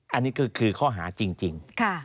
อันนี้ก็คือข้อหาจริง